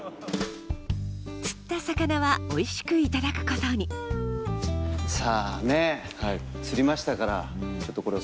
釣った魚はおいしくいただくことにさぁねっ釣りましたからちょっとこれを。